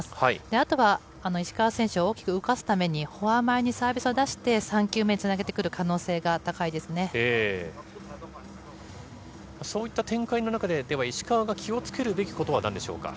あとは石川選手、大きく浮かすために、フォア前にサービスを出して、３球目をつなそういった展開の中で、では石川が気をつけるべきことはなんでしょうか。